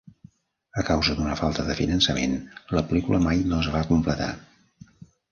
A causa d'una falta de finançament, la pel·lícula mai no es va completar.